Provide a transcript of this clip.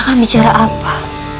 kakak bicara apa